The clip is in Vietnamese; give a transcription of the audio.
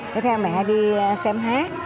đi theo mẹ đi xem hát